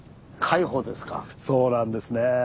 そうなんですね。